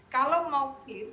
kalau mau clear